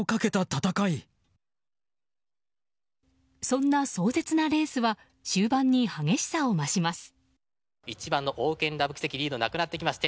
そんな壮絶なレースは終盤に激しさを増します。